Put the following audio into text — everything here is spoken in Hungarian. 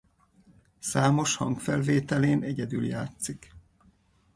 Számos hangfelvételén egyedül játszik.